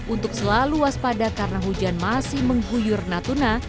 untuk selalu waspada karena hujan masih mengguyur natuna